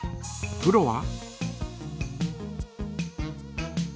プロは？